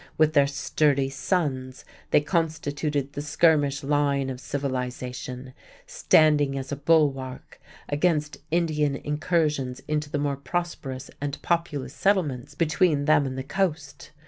With their sturdy sons, they constituted the skirmish line of civilization, standing as a bulwark against Indian incursions into the more prosperous and populous settlements between them and the coast.